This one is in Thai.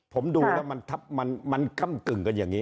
ผมดูแล้วมันก้ำกึ่งกันอย่างนี้